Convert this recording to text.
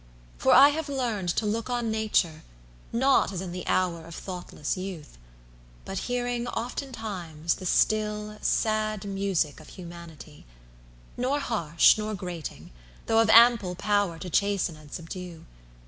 For I have learned To look on nature, not as in the hour Of thoughtless youth; but hearing oftentimes 90 The still, sad music of humanity, Nor harsh nor grating, though of ample power To chasten and subdue.